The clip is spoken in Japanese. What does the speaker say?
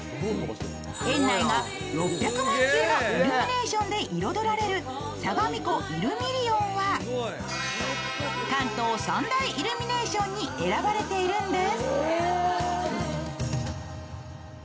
園内が６００万球のイルミネーションで彩られるさがみ湖イルミリオンは関東三大イルミネーションに選ばれているんです。